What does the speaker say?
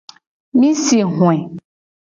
Mi si hoe.